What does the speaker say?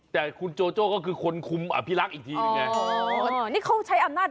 แต่คุณโจโจ้ก็คือคนคุมอภิรักษ์อีกทีหนึ่งไง